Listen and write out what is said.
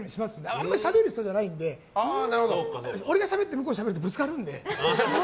あんまりしゃべる人じゃないので俺がしゃべって向こうがしゃべるとぶつかるので。